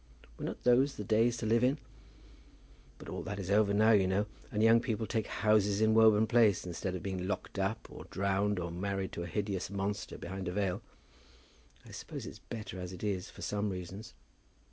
Were not those the days to live in! But all that is over now, you know, and young people take houses in Woburn Place, instead of being locked up, or drowned, or married to a hideous monster behind a veil. I suppose it's better as it is, for some reasons."